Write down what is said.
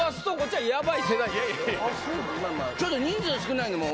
ちょっと人数少ないのも。